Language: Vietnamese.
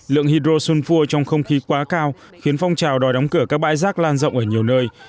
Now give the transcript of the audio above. lượng hydro sulfur trong không khí quá cao khiến phong trào đòi đóng cửa các bãi rác lan rộng ở nhiều nơi